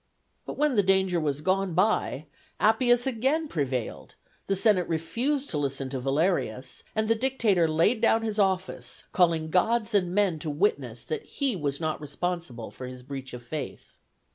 But when the danger was gone by, Appius again prevailed; the senate refused to listen to Valerius, and the dictator laid down his office, calling gods and men to witness that he was not responsible for his breach of faith.